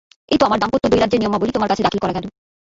–এই তো আমার দাম্পত্য দ্বৈরাজ্যের নিয়মাবলী তোমার কাছে দাখিল করা গেল।